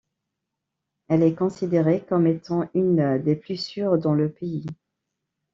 Elle est considérée comme étant une des plus sûres dans le pays.